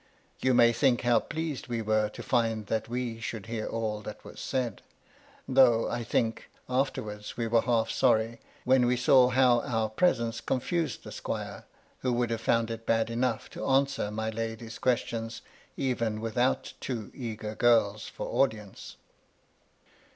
You may think how pleased we were to find that we should hear all that was said ; though, I think, afterwards we were half sorry when we saw how our presence confused the squire, who would have found it bad enough to answer my lady's questions, even without two eager girls for audience.